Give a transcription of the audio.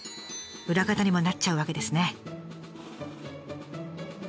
裏方にもなっちゃうわけですね。